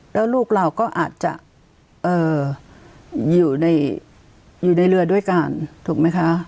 แล้วลูกเราก็อาจจะอยู่ในเรือด้วยกันถูกไหมคะ